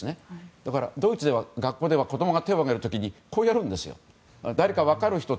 だからドイツでは学校では子供が手を上げる時に指を上げるんです。